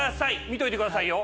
見といてくださいよ。